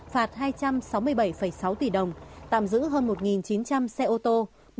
phạt hai trăm sáu mươi bảy sáu tỷ đồng tạm giữ hơn một chín trăm linh xe ô tô